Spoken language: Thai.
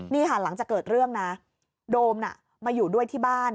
นี่ค่ะหลังจากเกิดเรื่องนะโดมน่ะมาอยู่ด้วยที่บ้าน